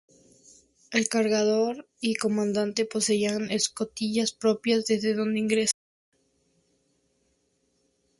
El cargador y comandante poseían escotillas propias desde donde ingresar.